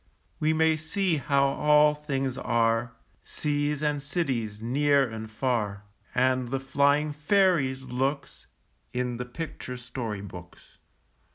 We may see how all things are, Seas and cities, near and far, And the flying fairies' looks, In the picture story books.